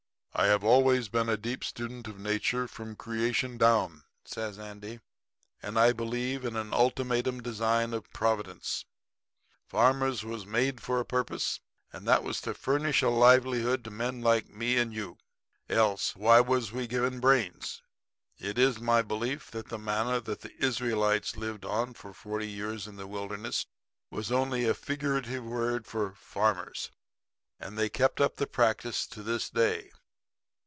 "'I have always been a deep student of nature from creation down,' says Andy, 'and I believe in an ultimatum design of Providence. Farmers was made for a purpose; and that was to furnish a livelihood to men like me and you. Else why was we given brains? It is my belief that the manna that the Israelites lived on for forty years in the wilderness was only a figurative word for farmers; and they kept up the practice to this day.